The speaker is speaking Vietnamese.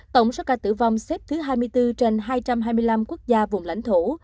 tổng số ca tử vong xếp thứ hai mươi bốn trên hai trăm hai mươi năm quốc gia vùng lãnh thổ